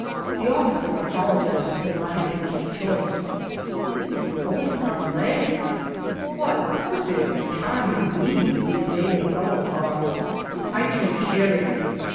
The officer apologizes for not having much choice. Is he pulling our legs ? What per fectly charming beings these Naval fellows are ! I choose sherry.